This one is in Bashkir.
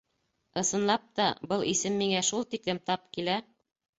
Ысынлап та, был исем миңә шул тиклем тап килә.